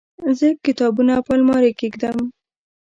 زه کتابونه په المارۍ کې کيږدم.